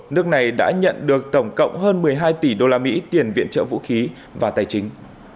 nước này đã nhận được tổng cộng hơn một mươi hai tỷ đô la mỹ tiền viện trợ vũ khí và tài chính